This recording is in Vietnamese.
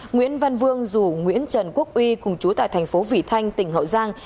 nguyễn văn vương rủ nguyễn trần quốc uy cùng chú tại thành phố vị thanh tỉnh hậu giang